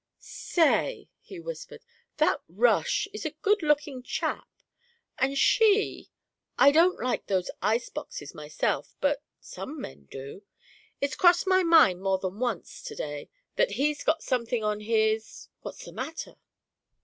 "Say," he whispered, "that Rush is a good looking chap and she I don't like those ice boxes myself, but some men do. It's crossed my mind more than once to day that he's got something on his what's the matter?"